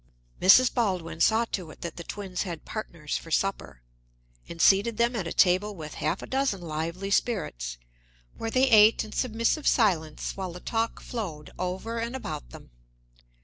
Mrs. Baldwin saw to it that the twins had partners for supper, and seated them at a table with half a dozen lively spirits, where they ate in submissive silence while the talk flowed over and about them.